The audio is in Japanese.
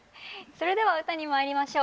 それでは歌にまいりましょう。